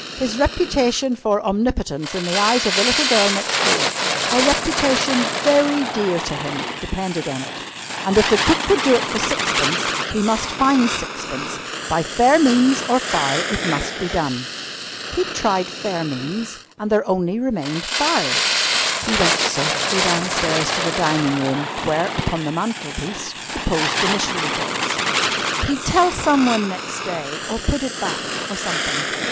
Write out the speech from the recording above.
His reputation for omnipotence in the eyes of the little girl next door a reputation very dear to him depended on it. And if cook would do it for sixpence, he must find sixpence. By fair means or foul it must be done. He'd tried fair means, and there only remained foul. He went softly downstairs to the dining room, where, upon the mantel piece, reposed the missionary box. He'd tell someone next day, or put it back, or something.